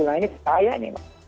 nah ini bahaya ini